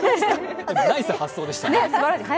ナイス発想でした。